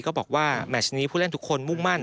ก็บอกว่าแมชนี้ผู้เล่นทุกคนมุ่งมั่น